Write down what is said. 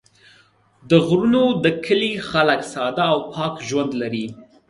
د غرونو د کلي خلک ساده او پاک ژوند لري.